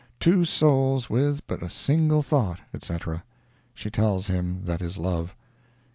"Two souls with but a single thought, etc." She tells him that is love.